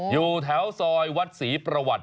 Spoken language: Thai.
อยู่แถวซอยวัดศรีประวัติ